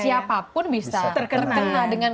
siapapun bisa terkena dengan